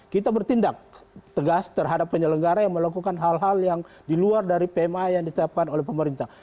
kita bertindak tegas terhadap penyelenggara yang melakukan hal hal yang di luar dari pma yang ditetapkan oleh pemerintah